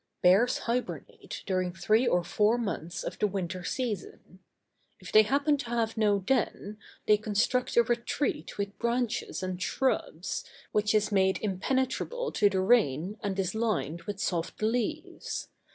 Bears hibernate during three or four months of the winter season. If they happen to have no den, they construct a retreat with branches and shrubs, which is made impenetrable to the rain and is lined with soft leaves.